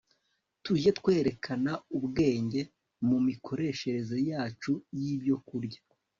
tujye twerekana ubwenge mu mikoreshereze yacu y'ibyokurya